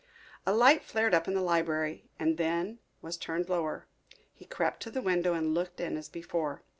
A light flared up in the library and then was turned lower. He crept to the window and looked in as before.